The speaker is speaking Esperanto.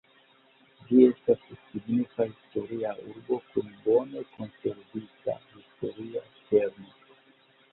Ĝi estas signifa historia urbo kun bone konservita historia kerno.